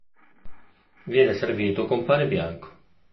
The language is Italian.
Viene servito con pane bianco.